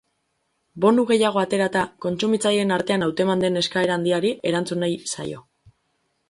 Bonu gehiago aterata, kontsumitzaileen artean hauteman den eskaera handiari erantzun nahi zaio.